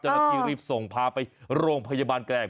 เจ้าหน้าที่รีบส่งพาไปโรงพยาบาลแกล้ง